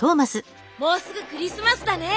もうすぐクリスマスだね。